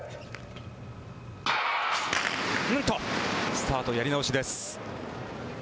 スタート、やり直しです。